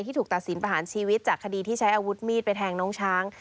ถูกตัดสินประหารชีวิตจากคดีที่ใช้อาวุธมีดไปแทงน้องช้าง